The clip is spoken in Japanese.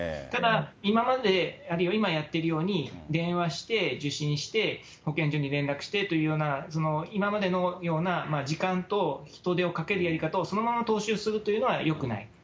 ただ今まで、あるいは今やっているように、電話して、受診して、保健所に連絡してというような、今までのような時間と人手をかけるやり方をそのまま踏襲するというのはよくない。